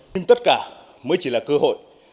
nhưng tất cả mới chỉ là cơ hội